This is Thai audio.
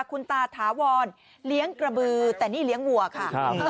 คุณตาถาวรเลี้ยงกระบือแต่นี่เลี้ยงวัวค่ะ